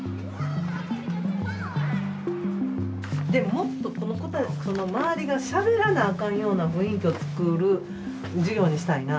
もっと周りがしゃべらなあかんような雰囲気をつくる授業にしたいな。